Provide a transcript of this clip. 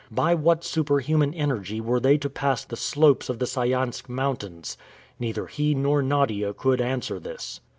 By what superhuman energy were they to pass the slopes of the Sayansk Mountains? Neither he nor Nadia could answer this!